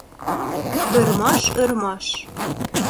Ӧрмаш, ӧрмаш...